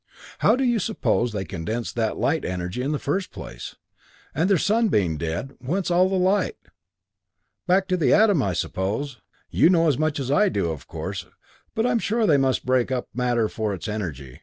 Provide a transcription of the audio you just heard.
"How do you suppose they condense that light energy in the first place, and, their sun being dead, whence all the light? Back to the atom, I suppose." "You know as much as I do, of course, but I'm sure they must break up matter for its energy.